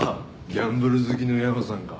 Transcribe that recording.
ギャンブル好きの山さんか。